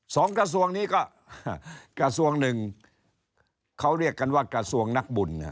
กระทรวงนี้ก็กระทรวงหนึ่งเขาเรียกกันว่ากระทรวงนักบุญ